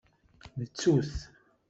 Nettu-t.